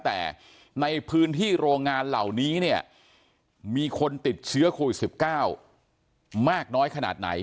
แต่ในพื้นที่โรงงานเหล่านี้เนี่ยมีคนติดเชื้อโควิด๑๙มากน้อยขนาดไหน